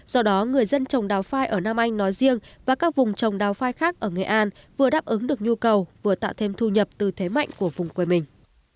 do đó người dân trồng đào phai ở nam anh nói riêng và các vùng trồng đào phai khác ở nghệ an vừa đáp ứng được nhu cầu vừa tạo thêm thu nhập từ thế mạnh của vùng quê mình